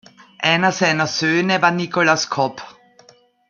Einer seiner Söhne war Nicolas Cop.